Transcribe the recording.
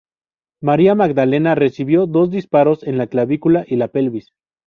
María Magdalena recibió dos disparos en la clavícula y la pelvis.